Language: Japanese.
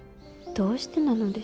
どうしてなのでしょう。